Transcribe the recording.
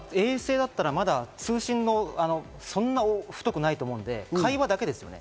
ただ衛星だったらまだ通信もそんな太くないと思うので、会話だけですよね？